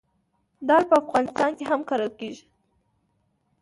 دال په افغانستان کې هم کرل کیږي.